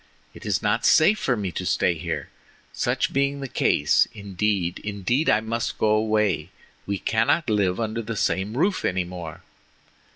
It is not safe for me to stay here, such being the case; indeed, indeed, I must go away, we cannot live under the same roof any more."